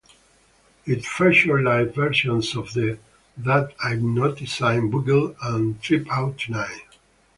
It featured live versions of "That Hypnotizin' Boogie" and "Trip Out Tonight".